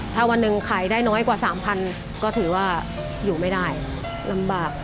ถ้าวันหนึ่งขายได้น้อยกว่า๓๐๐ก็ถือว่าอยู่ไม่ได้ลำบาก